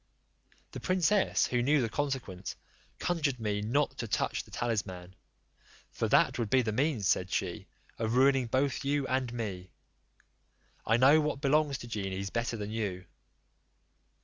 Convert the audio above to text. The princess, who knew the consequence, conjured me not to touch the talisman. "For that would be the means," said she, "of ruining both you and me; I know what belongs to genies better than you."